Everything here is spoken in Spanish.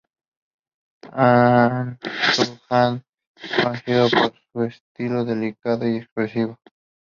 Han Su-san es conocido por su estilo delicado y expresivo.